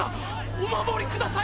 お守りください